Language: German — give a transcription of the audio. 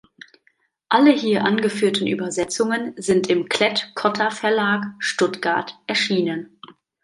Alle hier angeführten Übersetzungen sind im Klett-Cotta Verlag, Stuttgart, erschienen.